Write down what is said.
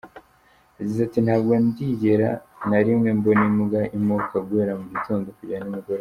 Yagize ati: "Ntabwo ndigera na rimwe mbona imbwa imoka guhera mu gitondo kugera nimugoroba".